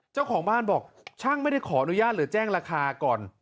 เจ้าของบ้านบอกช่างไม่ได้ขออนุญาตหรือแจ้งราคาก่อน